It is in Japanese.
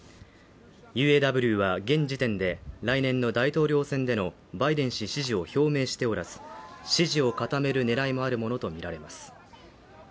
ＵＡＷは現時点で来年の大統領選でのバイデン氏支持を表明しておらず支持を固めるねらいもあるものと見られます